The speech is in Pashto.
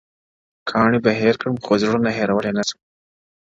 كاڼي به هېر كړمه خو زړونه هېرولاى نه سـم’